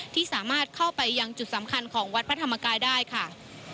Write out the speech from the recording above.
ที่สามารถเข้าไปยังจุดสำคัญของวัดพระธรรมกายได้ค่ะ